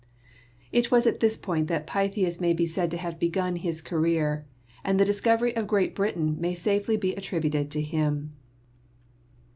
It was at this point that Pytheas may be said to have begun his career, and the dis covery of Great Britain may safely be attributed to him.